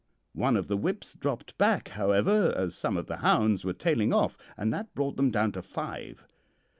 One of the whips dropped back, however, as some of the hounds were tailing off, and that brought them down to five.